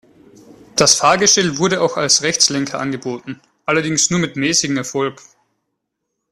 Das Fahrgestell wurde auch als Rechtslenker angeboten, allerdings nur mit mäßigem Erfolg.